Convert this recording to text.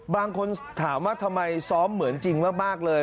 บางคนถามว่าทำไมซ้อมเหมือนจริงมากเลย